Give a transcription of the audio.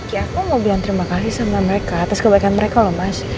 ya aku mau bilang terima kasih sama mereka atas kebaikan mereka loh mas